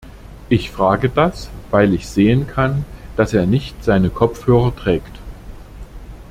Ich frage das, weil ich sehen kann, dass er nicht seine Kopfhörer trägt.